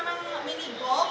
ya walaupun ini memang mini golf